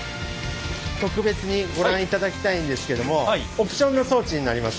特別にご覧いただきたいんですけどもオプションの装置になります。